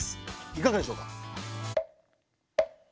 いかがでしょうか？